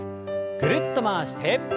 ぐるっと回して。